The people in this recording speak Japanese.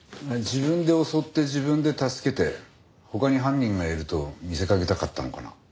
自分で襲って自分で助けて他に犯人がいると見せかけたかったのかな？